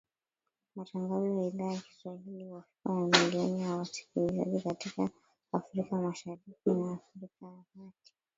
Matangazo ya Idhaa ya Kiswahili huwafikia mamilioni ya wasikilizaji katika Afrika Mashariki na Afrika ya kati.